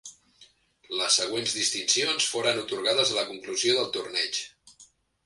Les següents distincions foren atorgades a la conclusió del torneig.